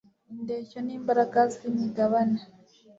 indeshyo nimbaraga zi migabane